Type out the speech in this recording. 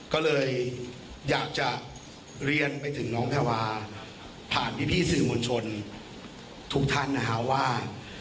ก็เลยอยากจะเรียนไปถึงน้องแพรวาผ่านพี่สื่อมวลชนทุกท่านนะฮะว่า